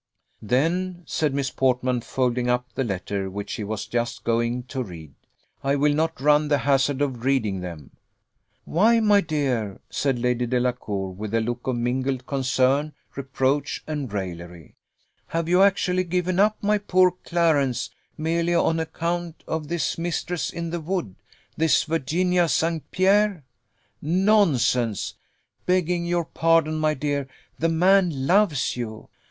"Then," said Miss Portman, folding up the letter which she was just going to read, "I will not run the hazard of reading them." "Why, my dear," said Lady Delacour, with a look of mingled concern, reproach, and raillery, "have you actually given up my poor Clarence, merely on account of this mistress in the wood, this Virginia St. Pierre? Nonsense! Begging your pardon, my dear, the man loves you.